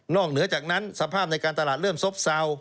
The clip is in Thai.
เหนือจากนั้นสภาพในการตลาดเริ่มซบเศร้า